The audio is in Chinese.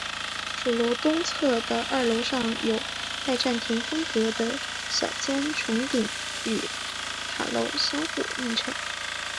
主楼东侧的二楼上有拜占廷风格的小尖穹顶与塔楼相互映衬。